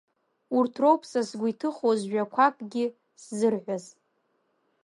Урҭ роуп, са сгәы иҭыхоз жәақәакгьы сзырҳәаз.